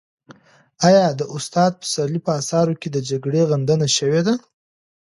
آیا د استاد پسرلي په اثارو کې د جګړې غندنه شوې ده؟